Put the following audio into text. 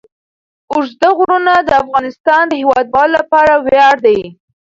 اوږده غرونه د افغانستان د هیوادوالو لپاره ویاړ دی.